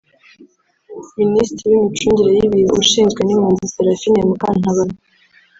Minisitiri w’Imicungire y’Ibiza ushinzwe n’Impunzi Séraphine Mukantabana